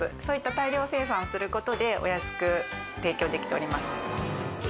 そういった大量生産をすることでお安く提供できております。